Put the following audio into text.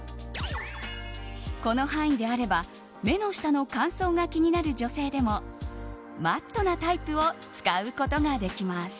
この範囲であれば目の下の乾燥が気になる女性でもマットなタイプを使うことができます。